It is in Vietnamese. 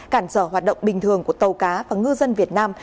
cản trở hoạt động bình thường của tàu cá và ngư dân việt nam